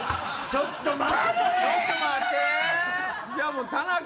ちょっと待って！